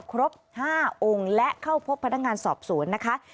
ครบ๕องค์และเข้าพบพนักงานสอบสวนนะคะ